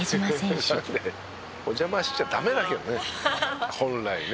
「お邪魔しちゃダメだけどね本来ね」